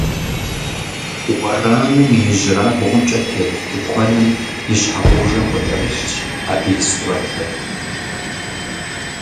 Уэрамым и ижьрабгъумкӀэ тет тыкуэным и щхьэгъубжэм къыкӀэрылъщ абы и сурэтыр.